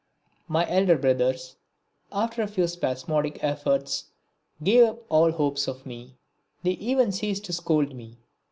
My elder brothers, after a few spasmodic efforts, gave up all hopes of me they even ceased to scold me.